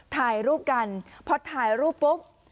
ถ่ายรูปกันพอถ่ายรูปปุ๊บ